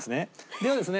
ではですね